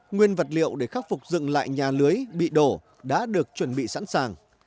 nguyên vật liệu để khắc phục dựng lại nhà lưới bị đổ đã được chuẩn bị sẵn sàng